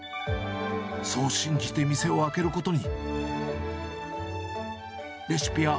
そう信じて店を開けることに。